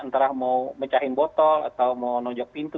antara mau mecahin botol atau mau nojak pintu